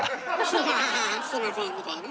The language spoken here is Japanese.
いやすいませんみたいな？